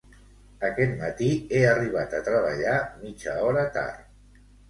Aquest matí he arribat a treballar mitja hora tard